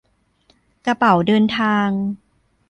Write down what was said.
กระเป๋าเดินทาง